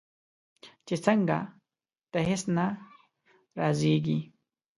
چې څنګه؟ د هیڅ نه رازیږې